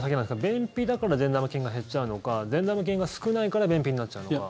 便秘だから善玉菌が減っちゃうのか善玉菌が少ないから便秘になっちゃうのか。